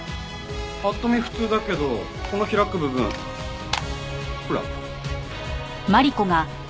パッと見普通だけどこの開く部分ほら。